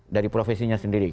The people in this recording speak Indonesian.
dari profesinya sendiri